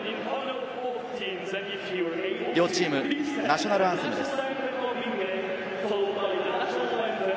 両チーム、ナショナルアンセムです。